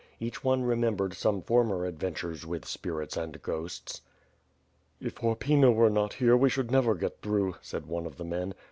Each one remembered some former adventures with spirits and ghosts. "If Horpyna were not here, we should never get through," said one of the men.